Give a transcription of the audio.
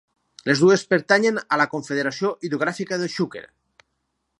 Les dues pertanyen a la Confederació Hidrogràfica del Xúquer.